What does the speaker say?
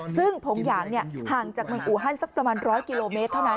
ซึ่งผงหยางห่างจากเมืองอูฮันสักประมาณ๑๐๐กิโลเมตรเท่านั้น